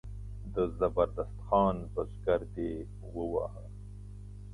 د زبردست خان بزګر دی وواهه.